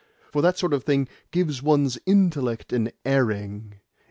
For that sort of thing gives one's intellect an airing.